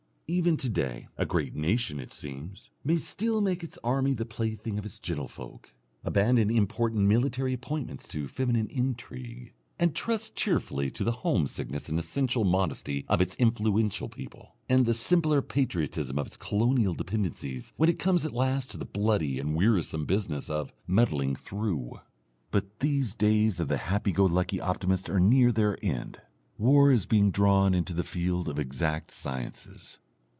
Even to day, a great nation, it seems, may still make its army the plaything of its gentlefolk, abandon important military appointments to feminine intrigue, and trust cheerfully to the homesickness and essential modesty of its influential people, and the simpler patriotism of its colonial dependencies when it comes at last to the bloody and wearisome business of "muddling through." But these days of the happy go lucky optimist are near their end. War is being drawn into the field of the exact sciences.